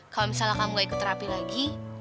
kalau misalnya kamu gak ikut terapi lagi